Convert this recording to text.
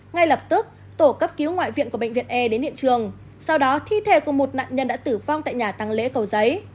ngay lập tức tổ cấp cứu ngoại viện của bệnh viện e đến hiện trường sau đó thi thể của một nạn nhân đã tử vong tại nhà tăng lễ cầu giấy